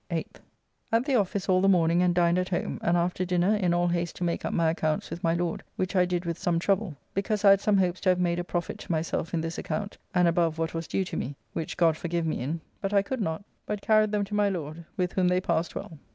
8th. At the office all the morning and dined at home, and after dinner in all haste to make up my accounts with my Lord, which I did with some trouble, because I had some hopes to have made a profit to myself in this account and above what was due to me (which God forgive me in), but I could not, but carried them to my Lord, with whom they passed well.